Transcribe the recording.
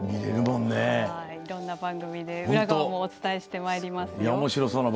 いろんな番組で裏側もお伝えしてまいりますよ。